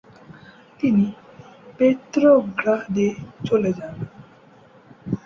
তিনি পেত্রোগ্রাদে চলে যান।